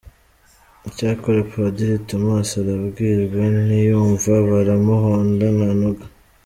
Icyakora Padiri Thomas arabwirwa ntiyumva, baramuhonda ntanoga.